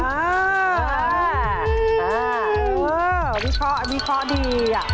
อันนี้พอดี